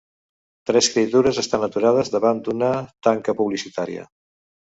Tres criatures estan aturades davant d'una tanca publicitària.